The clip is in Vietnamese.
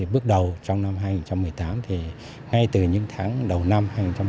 bước đầu trong năm hai nghìn một mươi tám thì ngay từ những tháng đầu năm hai nghìn một mươi tám